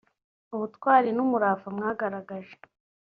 ubutwali n’umurava mwagaragaje